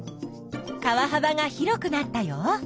川はばが広くなったよ。